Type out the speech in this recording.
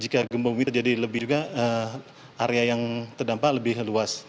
jika gempa bumi terjadi lebih juga area yang terdampak lebih luas